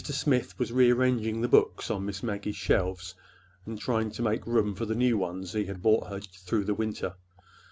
Smith was rearranging the books on Miss Maggie's shelves and trying to make room for the new ones he had brought her through the winter.